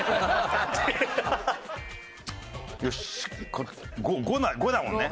よし５だもんね。